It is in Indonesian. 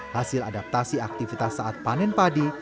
hasil adaptasi aktivitas saat panen padi